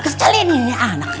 kesel ini ya anak